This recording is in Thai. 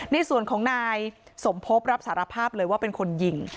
ในส่วนของนายสมพบรับสารภาพเลยว่าเป็นคนยิง